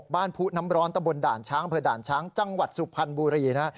บ้านผู้น้ำร้อนตะบลดาญช้างเผื่อดาญช้างจังหวัดสุภัณฑ์บูรีนะ